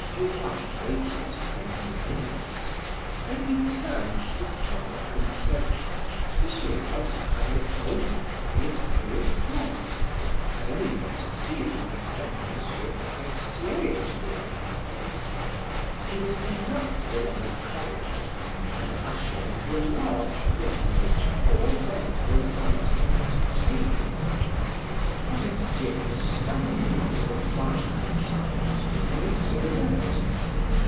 Duroy waited twenty minutes, then he turned to the clerk and said: "M. Walter had an appointment with me at three o'clock. At any rate, see if my friend M. Forestier is here." He was conducted along a corridor and ushered into a large room in which four men were writing at a table. Forestier was standing before the fireplace, smoking a cigarette.